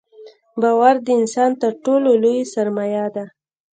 • باور د انسان تر ټولو لوی سرمایه ده.